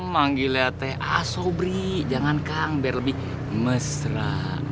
manggilnya teh ah sobri jangan kang biar lebih mesra